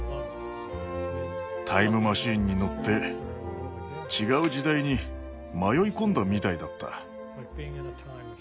タイムマシンに乗って違う時代に迷い込んだみたいだった。